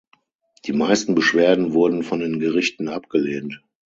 Die meisten Beschwerden wurden von den Gerichten abgelehnt.